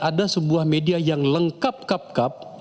ada sebuah media yang lengkap